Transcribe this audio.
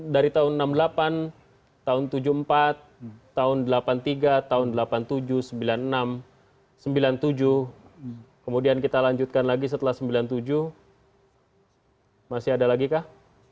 dari tahun seribu sembilan ratus enam puluh delapan tahun seribu sembilan ratus tujuh puluh empat tahun seribu sembilan ratus delapan puluh tiga tahun seribu sembilan ratus delapan puluh tujuh seribu sembilan ratus sembilan puluh enam seribu sembilan ratus sembilan puluh tujuh kemudian kita lanjutkan lagi setelah seribu sembilan ratus sembilan puluh tujuh masih ada lagi kah